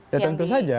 ya tentu saja